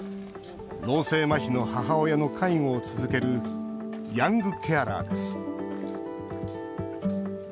脳性まひの母親の介護を続ける「ヤングケアラー」です。